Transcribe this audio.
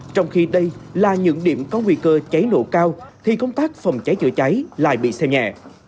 trong khi đây là những điểm có nguy cơ cháy nổ cao thì công tác phòng cháy chữa cháy lại bị xem nhẹ